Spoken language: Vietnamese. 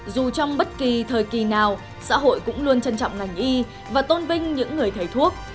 dù trong bất kỳ thời kỳ nào xã hội cũng luôn trân trọng ngành y và tôn vinh những người thầy thuốc